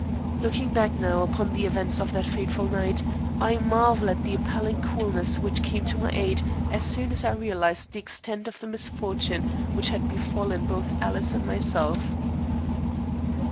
Looking back now upon the events of that fateful night, I marvel at the appalling coolness which came to my aid as soon as I realized the extent of the misfortune which had befallen both Alice and myself.